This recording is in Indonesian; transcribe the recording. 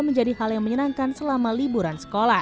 menjadi hal yang menyenangkan selama liburan sekolah